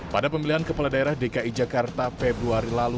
pada pemilihan kepala daerah dki jakarta februari lalu